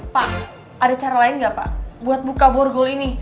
pak ada cara lain nggak pak buat buka borgol ini